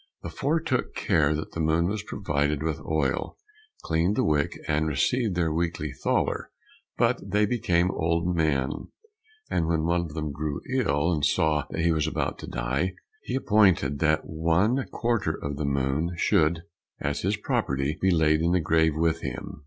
The four took care that the moon was provided with oil, cleaned the wick, and received their weekly thaler, but they became old men, and when one of them grew ill, and saw that he was about to die, he appointed that one quarter of the moon, should, as his property, be laid in the grave with him.